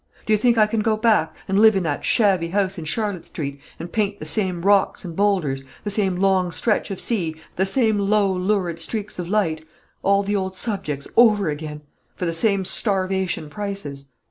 Do you think I can go back, and live in that shabby house in Charlotte Street, and paint the same rocks and boulders, the same long stretch of sea, the same low lurid streaks of light, all the old subjects over again, for the same starvation prices?